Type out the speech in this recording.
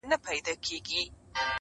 او را یاد مي د خپل زړه د میني اور کم -